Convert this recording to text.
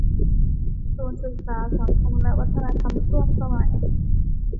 ศูนย์ศึกษาสังคมและวัฒนธรรมร่วมสมัย